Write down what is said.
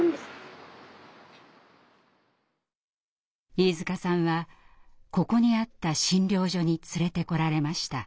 飯塚さんはここにあった診療所に連れてこられました。